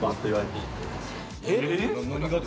えっ？